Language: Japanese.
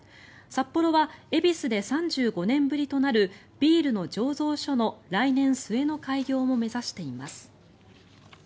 サッポロは恵比寿で３５年ぶりとなるビールの醸造所の来年末の開業も目指しています。